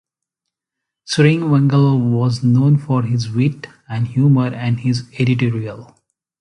Tsering Wangyal was known for his wit and humour and his editorial.